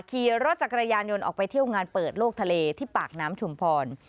ขี่รถจักรยานยนต์ออกไปเที่ยวงานเปิดโลกทะเลที่ปากน้ำชุมพร